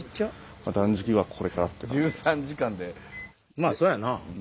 まあそやな。